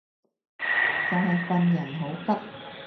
就係份人好急